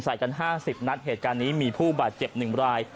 ใส่กัน๕๐นัดเหตุการณ์นี้มีผู้บาดเจ็บ๑ราย